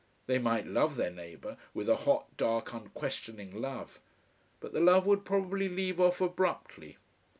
They might love their neighbour, with a hot, dark, unquestioning love. But the love would probably leave off abruptly.